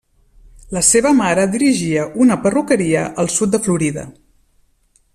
La seva mare dirigia una perruqueria al sud de Florida.